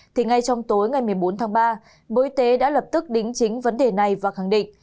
thì ngay trong tối ngày một mươi bốn tháng ba bộ y tế đã lập tức đính chính vấn đề này và khẳng định